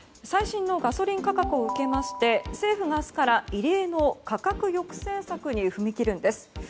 最新のガソリン価格を受けまして政府が明日から異例の価格抑制策に踏み切るんです。